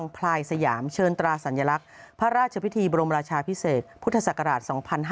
พระราชพิธีบรมราชาภิเษกพุทธศักราช๒๕๖๒